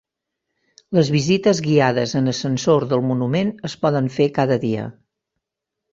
Les visites guiades en ascensor del monument es poden fer cada dia.